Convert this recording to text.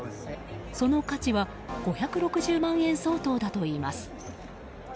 その価値は５６０万円相当だといいます。